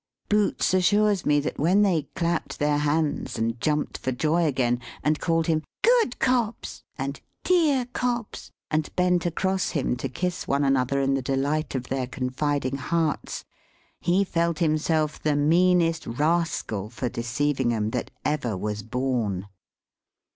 Boots assures me that when they clapped their hands, and jumped for joy again, and called him "Good Cobbs!" and "Dear Cobbs!" and bent across him to kiss one another in the delight of their confiding hearts, he felt himself the meanest rascal for deceiving 'em that ever was born.